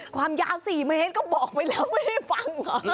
ความยาว๔เมตรก็บอกไปแล้วไม่ได้ฟังเหรอ